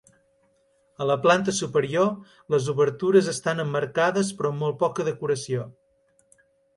A la planta superior les obertures estan emmarcades però amb molt poca decoració.